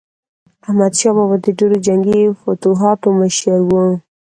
احمدشاه بابا د ډیرو جنګي فتوحاتو مشر و.